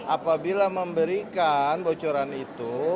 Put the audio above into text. apabila memberikan bocoran itu